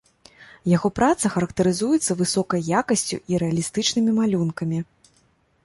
Яго праца характарызуецца высокай якасцю і рэалістычнымі малюнкамі.